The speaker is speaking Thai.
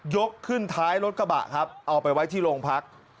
ขึ้นท้ายรถกระบะครับเอาไปไว้ที่โรงพัก